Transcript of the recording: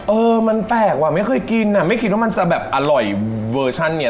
เออมันแปลกว่ะไม่เคยกินอ่ะไม่คิดว่ามันจะแบบอร่อยเวอร์ชันเนี่ย